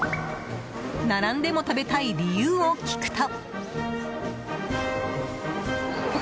並んでも食べたい理由を聞くと。